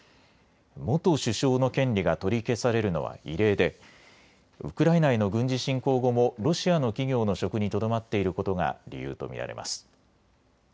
元首相の権利が取り消されるのは異例でウクライナへの軍事侵攻後もロシアの企業の職にとどまっていることが理由と見られます。